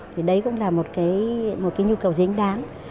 thì đấy cũng là một cái nhu cầu dính đáng